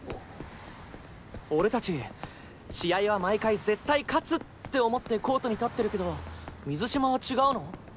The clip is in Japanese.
俺達試合は毎回絶対勝つ！って思ってコートに立ってるけど水嶋は違うの？